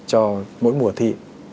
cho mỗi mùa thi